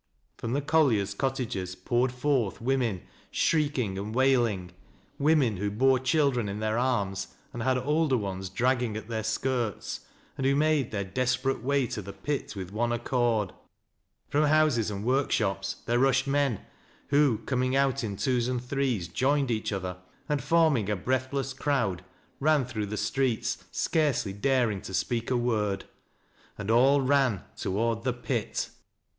From the colliers' cottages poured forth women, shrieking and wailing, — women who bore children in their arms and had older ones dragging at their skirts, and who made their desperate way to the pit with one accord. From houses and workshops there rushed man, who, coming out in twos and threes joined each other, and, forming a breathless crowd, ran through the streets scarcely daring to speak a word — and all ran toward the pit.